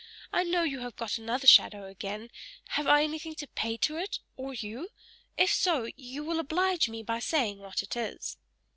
I know you have got another shadow again; have I anything to pay to it or you? If so, you will oblige me by saying what it is."